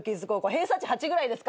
偏差値８ぐらいですか？